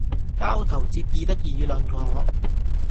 交頭接耳的議論我，